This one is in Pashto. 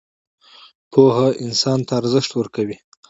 پوهه انسان ته ارزښت ورکوي